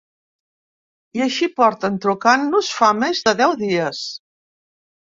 I així porten trucant-nos fa més de deu dies.